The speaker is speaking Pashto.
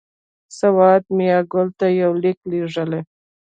سوات میاګل ته یو لیک لېږلی.